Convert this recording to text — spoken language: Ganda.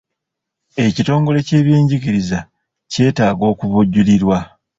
Ekitongole ky'ebyenjigiriza kyetaaga okuvujjirirwa.